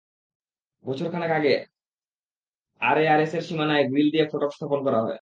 বছর খানেক আগে আরএআরএসের সীমানায় গ্রিল দিয়ে ফটক স্থাপন করা হয়।